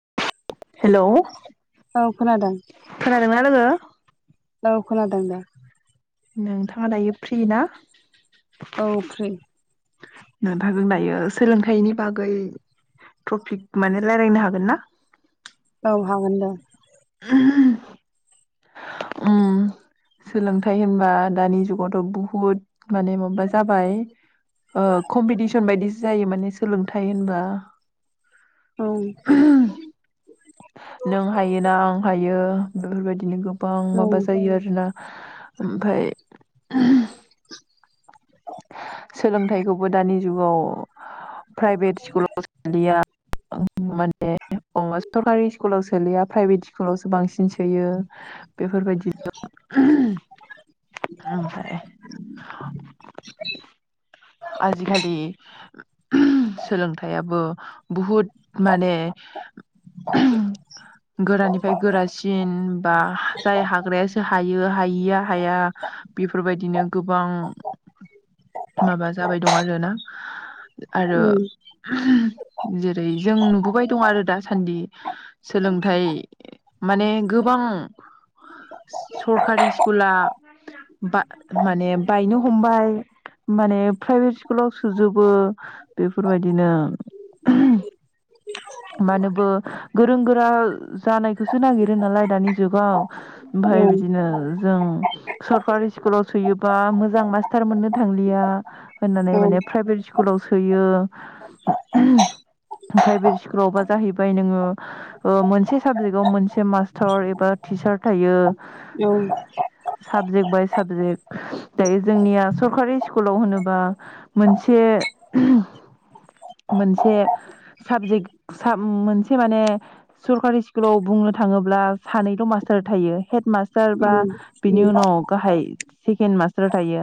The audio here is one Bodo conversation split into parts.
हेल' औ खोनादोंना? खोनादों हेलबो [unintelligible] औ खोनादोंदा नोंथाङा दायो फ्रि ना? औ फ्रि नथागोन दायो सोलों फथाइनि बागै ट्रपिक माने रायजलायनो हागोन ना औ हागोन द ह उ सोलोंथाइ होनबा दानि जुगावथ' बुहुद माने माबा जाबाय कम्पिटिसन बायदिसो जायो माने सोलोंथाइ होनबा औ नों हायो ना आं हायो बेफोरबायदिनो गो गोबां औ माबा जायो आरोोना ओमाय [inaudible] सोलोंथाइखौबो दानि जुगाव प्राइभेट स्कुलाव सोलिया माने सरकारि स्कुलावो सोलिया प्राइभेट सकुलावसो बांसिन होयो बेफोरबायदिजों ओमफ्राय आजिखालि सोलोंथायाइयाबो बहुत माने गोरानिफ्राय गोरासिन बा जाय हाग्रायासो हायो हायिया हाया बेफोरबायदिनो गोबां माबा जाबाय दं आरोना आरो औ जेरै जों नुबोबाय दं आरो दासान्दि सोलोंथाइ माने गोबां सरकारि स्कुला माने बायनो हमबाय माने प्राइभेट स्कुलाव सोजोबो बेफोरबायदिनो मानोबो गोरों गोरा जानायखौसो नागिरो नालाय दानि जुगाव। औ ओमफफ्राय बिदिनो जों सरकारि स्कुलाव सोयोबा मो मोजां मास्टार मोननो थांलिया होननानै औ माने प्राइभेट स्कुलाव सोयो प्राइभेट स्कुलावबा जाहैबाय नोङो मोनसे साबजेक्टाव मोनसे मास्टार एबा टिचार थायो। औ साबजेक्ट बाय साबजेक्ट दायो जोंनिया सरकारि स्कुलाव होनोबा मोनसे मोनसे साबजेक्ट स मोनसे माने सरखारि स्कुलाव बुंनो थाङोब्ला सानैल' मास्टार थायो हेड मास्टार बा बिनि उनाव गाहाय सेकेणड मास्टा स्थार थायो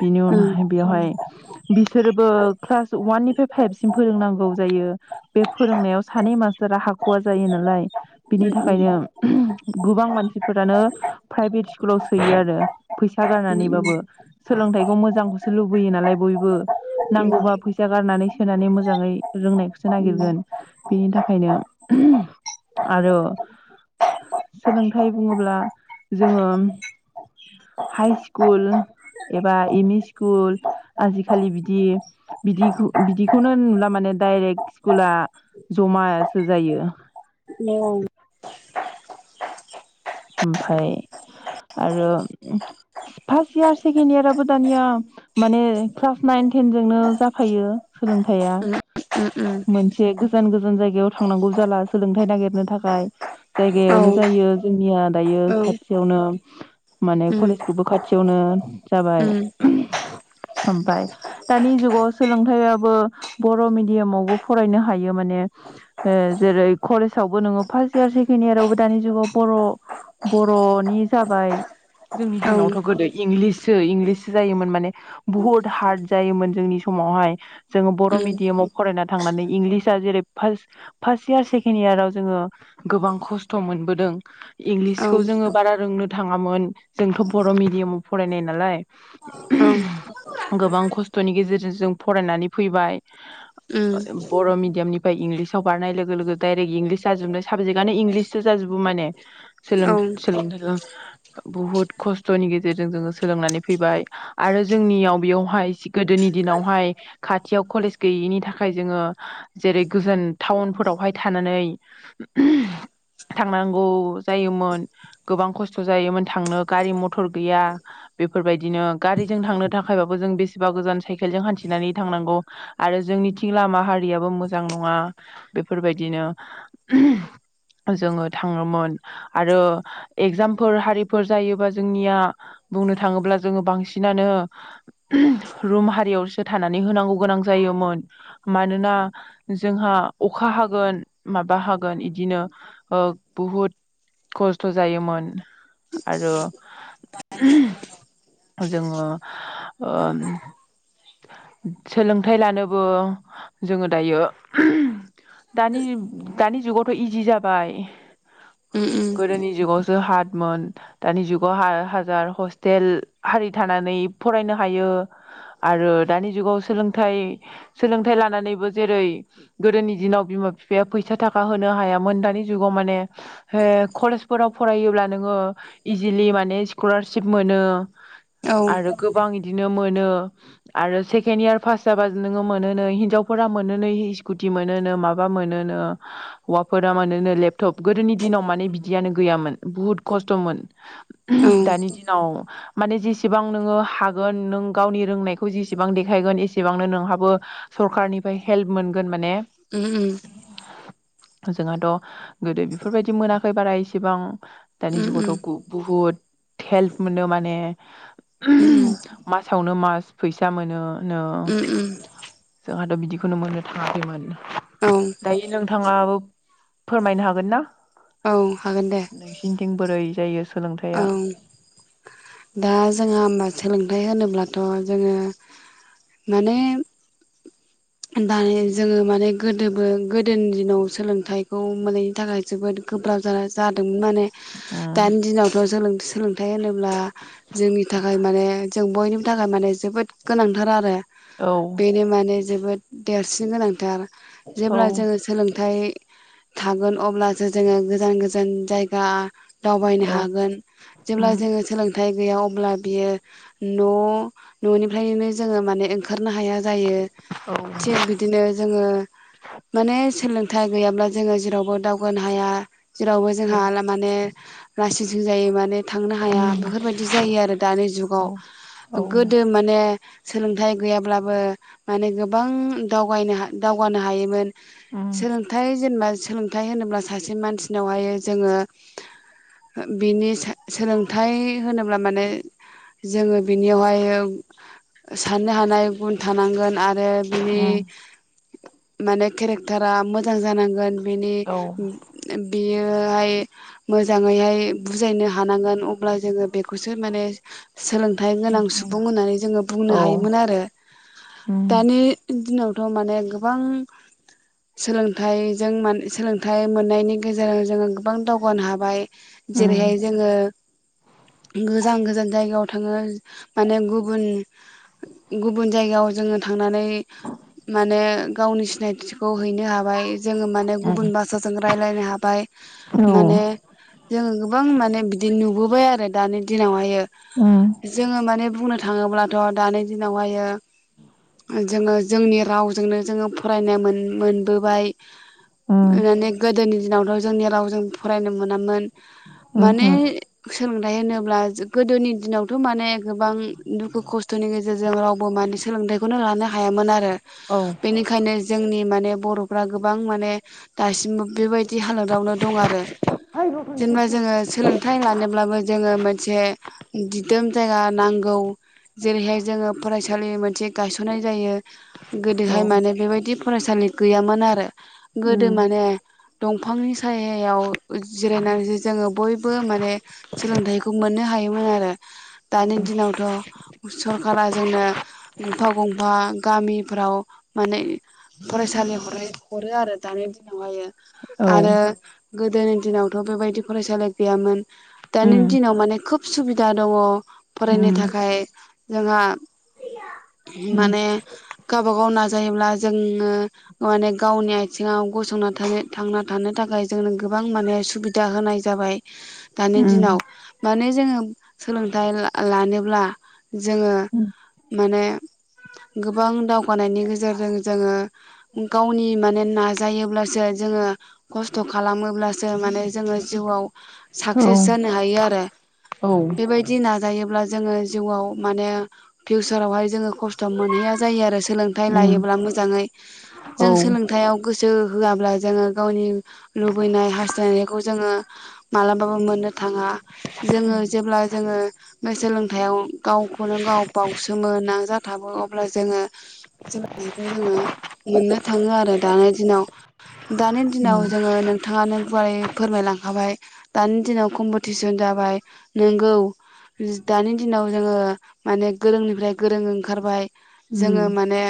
बिनि उनावहाय बेवहाय बिसोरोबो क्लास ववाननिफ्राय फाइभसिम फोरोंनांगौ जायो बे फोरोंनायाव सानै मास्टारा हाख'वा जायो नालाय बिनि थाखायनो गोबां मानसिफोरानो प्राइभेट स्कुलाव सोयो आरो फैसा गारनानैबाबो बो सोलोंथायखौ मोजांसो लुबैयो नालाय बयबो नांगौबा फैसा गारनानै सोनानै मोजाङै रोंनायखौसो नागिरगोन बिनि थाखायनो आरो सोलोंथाइ बुङोब्ला जोङो हाइ स्कुल एबा एम, इ स्कुल आजिखालि बिदि बिदि बिदिखौनो नुला माने डायरेक्ट स्कुला जमासो जायो ओं ओमफाय आरो फार्स्ट इयार सेकेणड याराबो दानिया माने क्लास नाइन टेनजों जोंनो जाफायो सोलोंथायाइा औ मोनसे गोजान गोजान जायगायाव थांनांगौ जाला सोलोंथायाइ नागिरनो थाखाय औ जायगायावनो जायो जों निया दायो उम खाथियावनो माने उम कलेजखौबो खाथियावनो जाबाय ओमफाय दानि जुगाव सोलोंथाइआबो बर' मिडियामावबो फरायनो हायो माने जेरै कलेजावबो नोङो फार्स्ट इयार सेकेणड इयारावबो दानि जुगाव बर' बर'नि जाबाय जोंनि औ उम औ दिनावथ' गोदो इंग्लिससो इंग्लिससो जायोमोन माने बुहुद हार्द जायोमोन जोंनि समावहाय जोङो बर' उम मिडियामाव फरायना थांनानै इंग्लिसआ जेरै फार्स्ट फार्स्ट इयार सेकेणड इयाराव जोङो गोबां खस्थ' मोनबोदों। औ इंग्लिसखौ उम जोङो बारा रोंनो थाङामोन जोंथ' बर' मिडियामाव फरायनाय नालाय गोबां खस्थ'नि गेजेरजों जों फरायनानै फैबाय उम बर' मिडियामनिफ्राय इंग्लिसाव बारनाय लोगो लोगो डाइरेक्ट इंलिस जाजोबनाय साबजेक्टआनो इंलिसो जाजोबो माने। सोलों औ औ सोलोंथाइखौ बुहुद खस्थ'नि गेजेरजों जोङो सोलोंनानै फैबाय आरो जोंनियाव बेयावहाय गोदोनि दिनावहाय खाथियाव कलेज गैयैनि थाखाय जोङो जेरै गोजान टाउनफोरावहाय थानानै थांनांगौ जायोमोन गोबां खस्थ' जायोमोन थांनो गारि मथर गैया बेफोरबायदिनो गारिजों थांनो थाखायबाबो जों बेसेबा गोजान साइकेलजों हान्थिनानै थांनांगौ आरो जोंनिथिं लामा हारियाबो मोजां नङा बेफोरबायदिनो जोङो थाङोमोन। आरो एगजामफोर हारिफोर जायोबा जोंनिया बुंनो थाङोब्ला जोङो बांसिनानो रुम हारियावसो थानानै होनांगौ गोनां जायोमोन मानोना जोंहा अखा हागोन माबा हागोन इदिनो बहुद खस्थ' जायोमोन आरो जोङो ओ सोलोंथाइ लानोबो जोङो दायो दानि दानि जुगावथ' इजि जाबाय उम गोदोनि जुगावस ज हादमोन दानि जुगाव हा हाजार हस्टेल हारि थानानै फरायनो हायो आरो दानि जुगाव सोलोंथाइ सोलोंथाइ लानानैबो जेरै गोदोनि दिनाव बिमा बिफाया फैसा थाखा होनो हायामोन दानि जुगाव माने कलेजफोराव फरायोब्ला नोङो इजिलि माने स्कलारशिप मोनो। आरो गोबां इद बिदिनो मोनो आरो सेकेणड इयार पास जाबा नोङो मोनो नै हिनजावफोरा मोनो नै स्कुटि मोनोनो माबा मोनोनो हौवाफोरा मोनोनो लेपटप गोदोनि दिनाव माने बिदियानो गैयामोन बुहुद खस्थ'मोन उम दानि दिनाव माने जेसेबां नोङो हागोन नों गावनि रोंनायखौ जेसेबां देखायगोन एसेबांनो नोंहाबो सरखारनिफ्राय हेल्प मोनगोन माने ओम ओम जोंहाथ' गोदो बेफोरबायदि मोनाखै बारा इसेबां दानि जुगावथ' बुहुद हेल्प मोनो माने मासावनो मास फैसा मोनोनो उम जोंहाथ' बिदिखौनो मोननो थाङाखैमोन उम दायो नोंथाङाबो फोरमायनो हागोन ना। औ औ हागोन दे नोंसिनथिं बोरै जायो औ सोलोंथाइया दा जोंहा होमबा सोलोंथाइ होनो होनब्लाथ' जोङो माने दानि जोङो माने गोदोबो गोदोनि दिनाव सोलोंथाइखौ मोनैनि थाखाय जोबोद गोब्राब जादोंमोन माने उम दानि दिनावथ' [unintelligible] सोलोंथाइ होनोब्ला जोंनि थाखाय माने जों बयनिबो थाखाय माने जोबोद गोनांथार आरो। औ बेनो माने जोबोद देरसिन गोनांथार। औ जेब्ला जोङो सोलोंथाइ थागोन अब्लासो जोङो गोजान गोजान जायगा दावबायनो औ हागोन जेब्ला उम जोङो सोलोंथाइ गैया अब्ला बियो न' ननिफ्रायनो जोंङो माने ओंखारनायाव नो हाया जायो। औ थिग बिदिनो जोङो माने सोलों थाइ गैयाब्ला जोङो जेरावबो दावगानो हाया। जेरावबो औ जोंहाआला माने लासिंसिं जायो माने थांनो हाया उम बेफोरबायदि जायो आरो दानि औ औ जुगाव गोदो माने सोलोंथाइ गैयाब्लाबो माने गोबां दावगायनो दावगानो हायोमोन। उम सोलोंथाइ जेनेबा सोलोंथाइ होनोब्ला सासे मानसिनावहायो जोङो बिनि सो-सोलोंथाइ होनोब्ला माने जोङो बिनियावहायो साननो हानाय गुन थानांगोन आरो [unintelligible] उम माने केरेक्टारा मोजां जानांगोन। बेनि औ बेयो [unintelligible] मोजाङैहाय बुजायनो हानांगोन अब्ला जोङो बेखौसो माने सोलोंथाइ गोनां सुबुं होननानै जोङो बुंनो हायोमोन उम आरो दानि दिनावथ' माने गोबां सोलोंथाइजों मान सोलोंथाइ मोननायनि गेजेरजों जोङो गोबां दावगानो हाबाय। उम जेरैहाय जोङो गोजान गोजान जायगायाव थाङो माने गुबन गुबुन जायगायाव जोङो थांनानै माने गावनि सिनायथिखौ हैनो‌ हाबाय जोङो माने उम गुबुन भासाजों रायलायनो हाबाय औ माने जों गोबां माने बिदि नुबोबाय बाय आरो दानि दिनावहायो उम जोङो माने बुंनो थाङोब्लाथ' दानि दिनावहाय जोङो जोंनि रावजोंनो जोङो फरायनो मोनबोबाय उम [unintelligible] गोदोनि दिनावथ' जोंनि रावजों फरायनो मोनामोन। माने उमहो सोलोंथाइ होनोब्ला गोदोनि दिनावथ' माने गोबां दुखु खस्थ'नि गेजेरजों रावबो मानि सोलोंथाइ [unintelligible] हायामोन आरो औ बेनिखायनो जोंनि माने बर'फ्रा गोबां माने दासिमबो बेबायदि हालोदावनो दं आरो जेनेबा जोङो सोलोंथाइ लानोब्लाबो जोङो मोनसे दिदोम जायगा नांगौ। औ जेरैहाय जोङो फरायसालि एखालि मोनसे गायसननाय जायो। औ गोदोहाय माने बेबायदि फरायसालि गैयामोन आरो गोदो उम माने दंफांनि सायाव जिरायनानैसो जोङो बयबो माने सोलोंथाइखौ मोननो हायोमोन आरो औ दानि दिनावथ' सरखारा जोंनो गंफा गंफा गामिफ्राव माने फरायसालि हरो आरो दानि दिनावहायो औ आरो गोदोनि दिनावथ' बेबायदि फरायसालि गैयामोन। दानि उम दिनाव माने खोब सुबिदा दङ'। उम फरायनो थाखाय जोंहा [unintelligible] माने गावबा गाव नाजायोब्ला जोङो माने गावनि आथिङाव गसंना थानो थांना थानो थाखाय जोंनो गोबां माने सुबिदा होनाय जाबाय। दानि दिनाव माने जोङो सोलोंथाइ ला-लानो ब्ला जोङो उम माने गोबां दावगानायनि गेजेरजों जोङो गावनि माने नाजायोब्लासो जोङो खस्थ' खालामोब्लासो माने जोङो जिउआव औ साक्सेस जानो हायो आरो औ बेबायदि नाजायोब्ला जोङो जिउआव माने फिउसारावहाय जो थ' मोनहैया जायो आरो सोलोंथाइ उम लायोब्ला मोजाङै। औ जों सोलोंथाइयाव गो सो होआब्ला जोङो गावनि लुबैनाय हास्थायनायखौ जोङो मालाबाबो मोननो थाङा । जोङो उम जेब्ला जोङो बो सोलोंथाइयाव गावखौनो गाव बावसोमो नाजा थाबो अब्ला जोङो [unintelligible] जोङो [unintelligible] थाङो आरो दानि दिनाव दानि दिनाव उम जोङो नोंथाङानो गुवारै फोरमायलां खाबाय दानि दिनाव कम्पटिसन जाबाय । नोंगौ, दानि दिनाव जोङो माने गोरोंनिफ्राय गोरों ओं खारबाय जोङो उम माने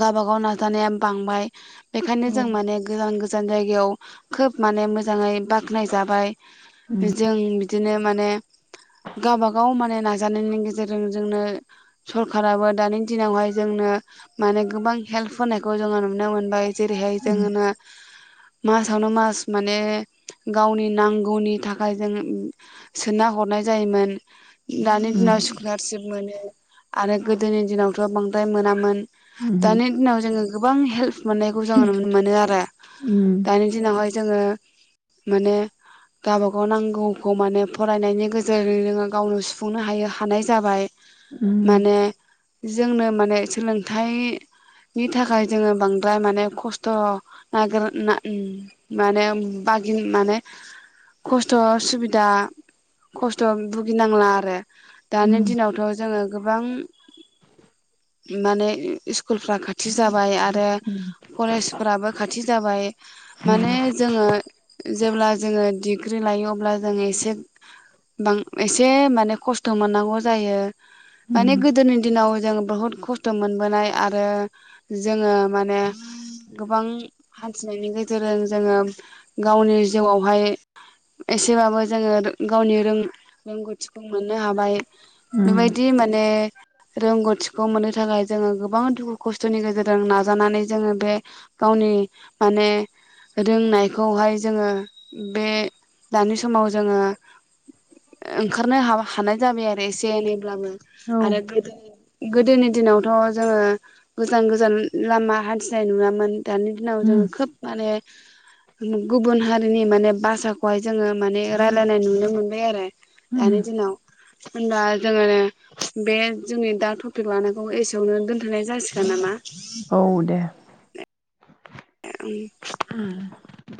गाबा गाव नाजानाया बांबाय बेखायनो जों माने गोजान गोजान जायगायाव खोब माने मोजाङै बाख्नाय जाबाय उम जों बिदिनो माने गावबा गाव माने ना नाजानायनि गेजेरजों जोंनो सरखाराबो दानि दिनावहाय जोंनो माने गोबां हेल्प होनायखौ जोङो नुनो मोनबाय। जेरैहाय उम जोङो नो मासावनो मास माने गावनि नांगौनि थाखाय जों सोना हरनाय जायोमोन दानि दिनाव स्कलारशिप मोनो आरो गोदोनि दिनावथ बांद्राय मोनामोन उम दानि दिनाव जों गोबां हेल्प मोननायखौ जोङो नुनो मोनोआरो। दानि दिनावहाय जोङो माने गावबा गाव नांगौखौ माने फरायनायनि गेजेरै नोङो गावनो सुफुंनो हायो हानाय जाबाय। माने जोंनो माने सोलोंथाइनि थाखाय जोङो बांद्राय माने खस्थ नागिर ना माने बागि माने खस्थ सुबिदा खस्थ भुगिनांला आरो। दानि दिनावथ जोङो गोबां माने स्कुलफ्रा खाथि जाबाय आरो रो कलेजफ्राबो खाथि जाबाय माने जोङो जेब्ला जोङो दि ग्रि लायो अब्ला जों एसे बां एसे माने खस्थ' मोननांगौ जायो। माने गोदोनि दिनाव जों बहुद खस्थ' मोनबोनाय आरो जोङो माने गोबां हान्थिनायनि गेजेरजों जोङो गावनि जिउआवहाय एसेबाबो जोङो गावनि रों रोंगौथिखौ मोननो हाबाय। बेबायदि माने बे रोंगौथिखौ मोननो थाखाय जोङो गोबां दुखु खस्थनि गेजेरजों नाजानानै जोङो बे गावनि माने रोंनायखौहाय जोङो बे दानि समाव जोङो ओंखारनो हा हानाय जाबाय आरो एसे एनैब्लाबो। औ आरो गोदो गोदोनि दिनावथ' जोङो गोजान गोजान लामा हान्थिनाय नुवामोन। दानि दिनाव जोङो उम खोब माने गुबुन हारिनि माने भाषाखौहाय जोङो माने रायलायनाय नुनो मोनबाय आरो दानि दिनाव। होनबा जोङो बे जोंनि दा टपिक लानायखौ एसेयावनो दोनथनाय जासिगोन नामा? औ दे। [unintelligible] [inaudible]